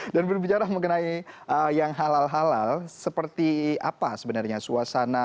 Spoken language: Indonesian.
berbicara mengenai yang halal halal seperti apa sebenarnya suasana